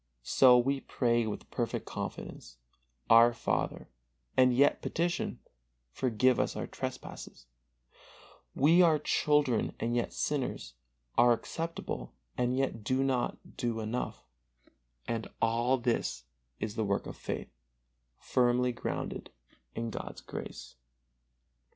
So we pray with perfect confidence: "Our Father," and yet petition: "Forgive us our trespasses"; we are children and yet sinners; are acceptable and yet do not do enough; and all this is the work of faith, firmly grounded in God's grace.